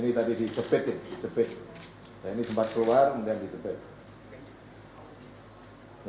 ini tadi di depik ini sempat keluar kemudian di depik